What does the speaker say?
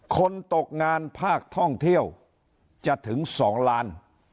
คนตกงานภาคท่องเที่ยวจะถึง๒ล้าน